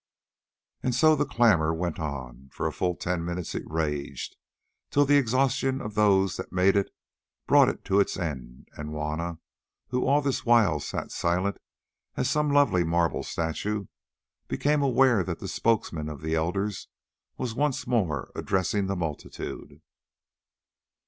And so the clamour went on. For full ten minutes it raged, till the exhaustion of those that made it brought it to its end, and Juanna, who all this while sat silent as some lovely marble statue, became aware that the spokesman of the elders was once more addressing the multitude.